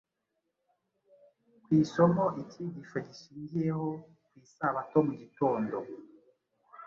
ku isomo icyigisho gishingiyeho ku Isabato mu gitondo,